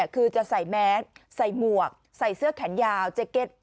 คือจะใส่แมสใส่หมวกใส่เสื้อแขนยาวเจเก็ต